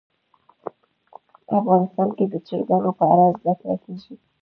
افغانستان کې د چرګانو په اړه زده کړه کېږي.